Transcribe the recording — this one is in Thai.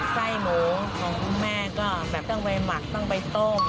ไส้หมูของคุณแม่ก็แบบต้องไปหมักต้องไปต้ม